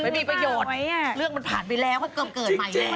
ไม่มีประโยชน์เรื่องมันผ่านไปแล้วก็เกิดใหม่แล้ว